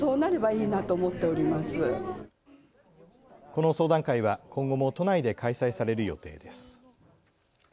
この相談会は今後も都内で開催される予定です。